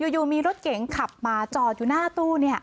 อยู่มีรถเก๋งขับมาจอดอยู่หน้าตู้